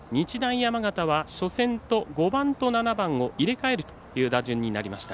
山形は初戦と５番と７番を入れ替えるという打順になりました。